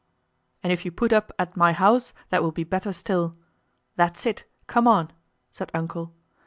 "And if you put up at my house that will be better still. That's it, come on!" said "Uncle."